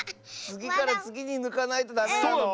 つぎからつぎにぬかないとダメなの？